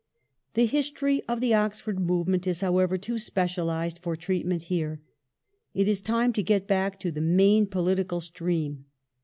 The history of the Oxford Movement is, however, too specialized for treatment here. It is time to get back to the main political stream.